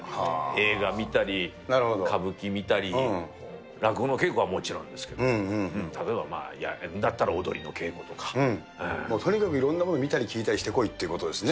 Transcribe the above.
映画見たり、歌舞伎見たり、落語の稽古はもちろんですけど、例えば、だったら踊りの稽古とか。もうとにかくいろんなものを見たり聞いたりしてこいってことですね。